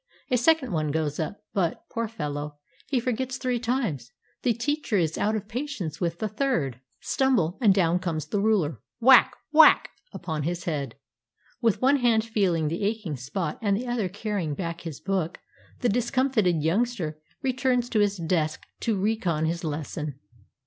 A second one goes up, but, poor fellow, he forgets three times; the teacher is out of patience with the third stumble, and down comes the ruler, whack! whack! upon the head. With one hand feeling the aching spot and the 219 CHINA other carrying back his book, the discomfited youngster returns to his desk to re con his lesson.